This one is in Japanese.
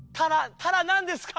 たらなんですか？